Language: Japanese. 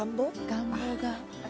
願望が。